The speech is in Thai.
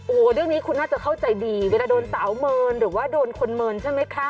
โอ้โหเรื่องนี้คุณน่าจะเข้าใจดีเวลาโดนสาวเมินหรือว่าโดนคนเมินใช่ไหมคะ